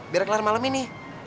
biar kelar malam ini